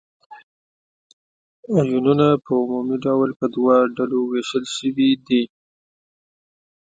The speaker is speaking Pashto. آیونونه په عمومي ډول په دوه ډلو ویشل شوي دي.